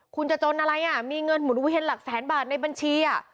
คุณจะจนอะไรอ่ะมีเงินหมุนเวียนหลักแสนบาทในบัญชี